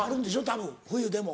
たぶん冬でも。